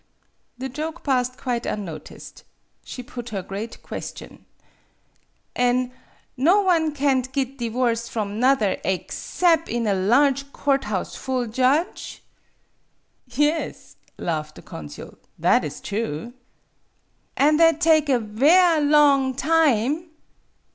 The joke passed quite unnoticed. She put her great question: "An' no one can't git divorce from 'nother aexcep' in a large court house full judge ?"'' Yes, " laughed the consul ;'' that is true. "" An* that take a ver' long time